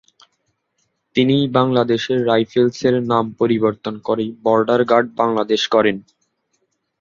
তিনিই বাংলাদেশ রাইফেলসের নাম পরিবর্তন করে বর্ডার গার্ড বাংলাদেশ করেন।